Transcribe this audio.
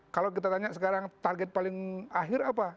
kalau kita tanya sekarang target paling akhir apa